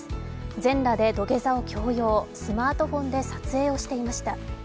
全裸で土下座を強要、スマートフォンで撮影をしていました。